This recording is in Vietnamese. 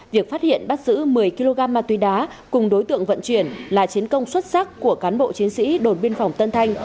việc phát hiện bắt giữ một mươi kg ma túy đá cùng đối tượng vận chuyển là chiến công xuất sắc của cán bộ chiến sĩ đồn biên phòng tân thanh